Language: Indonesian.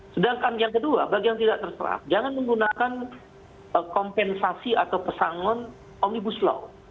sedangkan yang kedua bagi yang tidak terserah jangan menggunakan kompensasi atau pesangon omnibus law